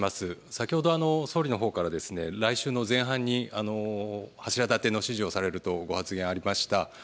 先ほど、総理のほうから来週の前半に柱だての指示をされるとご発言がありました。